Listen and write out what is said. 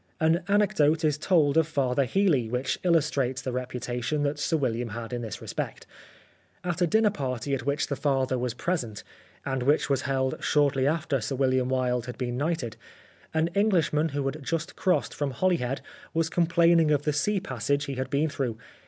An anecdote is told of Father Healy which illustrates the reputation that Sir Wilham had in this respect. At a dinner party at which the Father was present, and which was held shortly after Sir William Wilde had been knighted, an Englishman who had just crossed from Holy 28 The Life of Oscar Wilde head was complaining of the sea passage he had been through.